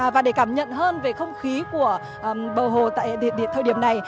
và để cảm nhận hơn về không khí của bờ hồ tại điện thời điểm này